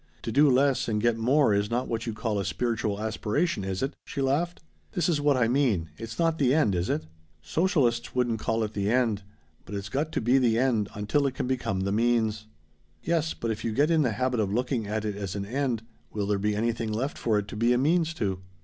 To do less and get more is not what you'd call a spiritual aspiration, is it?" she laughed. "This is what I mean it's not the end, is it?" "Socialists wouldn't call it the end. But it's got to be the end until it can become the means." "Yes, but if you get in the habit of looking at it as an end, will there be anything left for it to be a means to?"